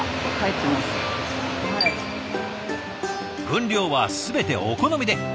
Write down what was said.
分量は全てお好みで。